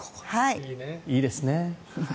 いいですね。